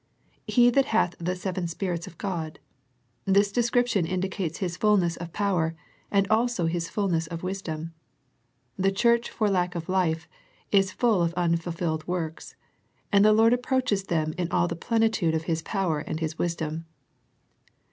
" He that hath the seven Spirits of God." This de scription indicates His fulness of power, and also His fulness of wisdom. The church for lack of life, is full of unfulfilled works, and the Lord approaches them in all the plenitude of His power and His wisdom.